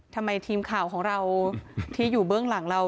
ทีมข่าวของเราที่อยู่เบื้องหลังเรา